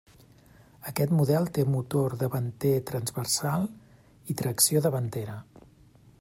Aquest model té un motor davanter transversal i tracció davantera.